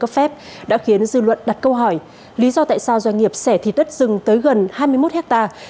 cấp phép đã khiến dư luận đặt câu hỏi lý do tại sao doanh nghiệp sẻ thịt đất rừng tới gần hai mươi một hectare